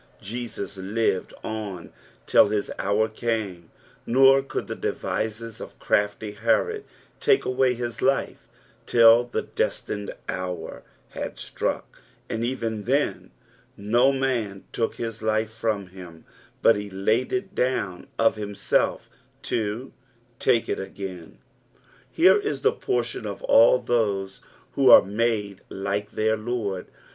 Jesus lived on till his hour came, nor could the devices of crmfty Herod take away his life till the destined hour had struck; and even then no man took his life from him, but he laid it down of himself, to take It agxin. Here is the portion of all those who are made like their T;oid.